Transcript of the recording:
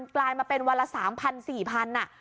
กลายมาเป็นวันละ๓๐๐๔๐๐บาท